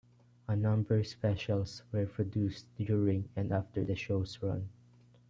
A number specials were produced during and after the show's run.